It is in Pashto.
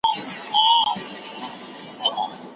که څوک زیار وباسي هغه به په راتلونکي کي بریالی سي.